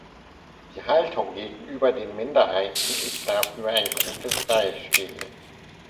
Die Haltung gegenüber den Minderheiten ist dafür ein gutes Beispiel.